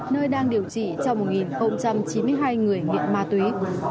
nơi đang điều trị cho một chín mươi hai người nghiện ma túy